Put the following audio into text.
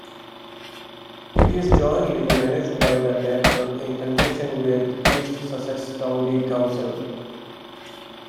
It is jointly managed by the latter in conjunction with East Sussex County Council.